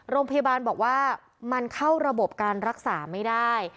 โรงพยาบาลบอกว่ามันเข้าระบบการรักษาไม่ได้